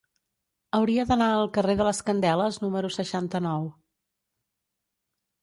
Hauria d'anar al carrer de les Candeles número seixanta-nou.